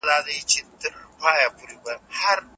مور او پلار پر اولادو ډېر حقوق لري.